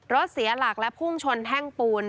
เสียหลักและพุ่งชนแท่งปูน